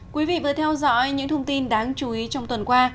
quý vị vừa theo dõi những thông tin đáng chú ý trong tuần qua